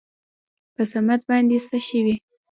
په صمد باندې څه شوي ؟